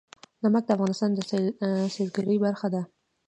نمک د افغانستان د سیلګرۍ برخه ده.